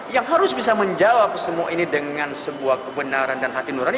yang harus bisa menjawab semua ini dengan sebuah kebenaran dan hati nurani